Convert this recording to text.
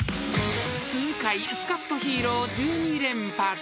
［痛快スカッとヒーロー１２連発］